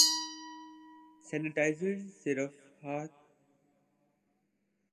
sanitizer صرف ہا